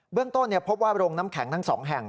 เรื่องต้นพบว่าโรงน้ำแข็งทั้ง๒แห่ง